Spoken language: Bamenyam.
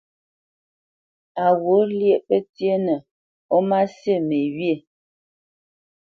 Á ghût lyéʼ pətyénə ó má sí me wyê?